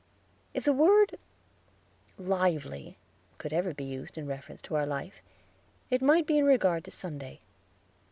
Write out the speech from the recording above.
If the word lively could ever be used in reference to our life, it might be in regard to Sunday.